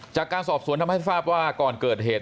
จากการสอบสวนทำให้ทราบว่าก่อนเกิดเหตุ